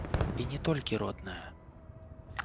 І не толькі родная.